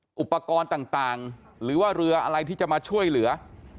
อุปกรณ์ต่างหรือว่าเรืออะไรที่จะมาช่วยเหลือ